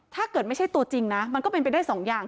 ถ้าเกิดไม่ใช่ตัวจริงนะมันก็เป็นไปได้สองอย่าง